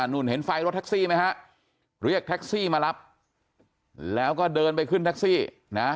เห็นไฟรถแท็กซี่ไหมฮะเรียกแท็กซี่มารับแล้วก็เดินไปขึ้นแท็กซี่นะ